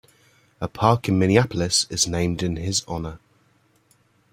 A park in Minneapolis is named in his honor.